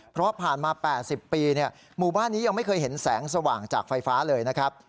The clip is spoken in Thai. เพราะผ่านมา๘๐ปีหมู่บ้านนี้ยังไม่เคยเห็นแสงสว่างจากไฟฟ้าเลยนะครับ